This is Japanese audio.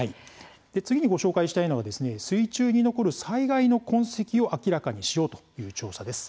次にご紹介したいのは水中に残る災害の痕跡を明らかにしようという調査です。